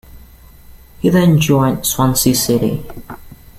He then joined Swansea City.